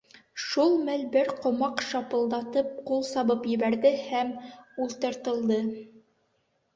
Шул мәл бер ҡомаҡ шапылдатып ҡул сабып ебәрҙе һәм ултыртылды.